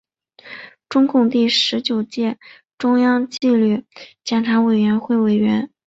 中共第十九届中央纪律检查委员会委员。